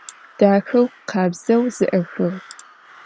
Daxeu, khabzeu ze'exığ.